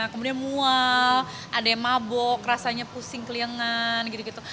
kemudian mual ada yang mabok rasanya pusing keliangan gitu gitu